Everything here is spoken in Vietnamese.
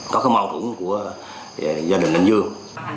có cái mâu tủng của gia đình ninh dương